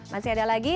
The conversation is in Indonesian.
masih ada lagi